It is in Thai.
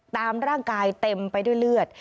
ตามร่างกายเต็มไปด้วยเลือด